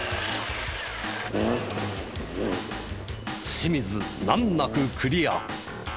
清水難なくクリア。